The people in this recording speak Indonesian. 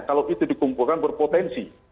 kalau itu dikumpulkan berpotensi